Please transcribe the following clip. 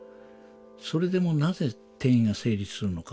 それでもなぜ転移が成立するのか。